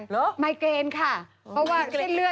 เหรอไมเกรนค่ะเพราะว่าเส้นเลือด